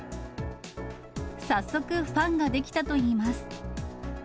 早速ファンが出来たといいます。